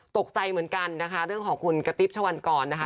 ตกใจเหมือนกันนะคะเรื่องของคุณกระติ๊บชะวันกรนะคะ